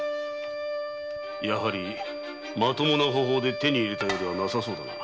やはりまともな方法で手に入れたようじゃなさそうだな。